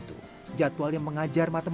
terus saya harus berpikir holes